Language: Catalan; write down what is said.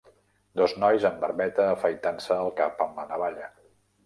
Dos nois amb barbeta afaitant-se el cap amb la navalla.